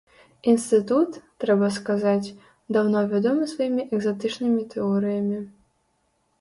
Інстытут, трэба сказаць, даўно вядомы сваімі экзатычнымі тэорыямі.